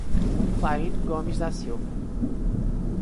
Clarindo Gomes da Silva